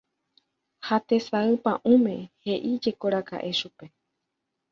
ha tesay pa'ũme he'íjekoraka'e chupe